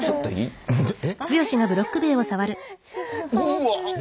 うわ。